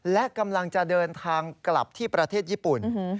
และกำลังจะเดินทางกลับที่ประเทศญี่ปุ่น